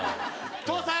父さん！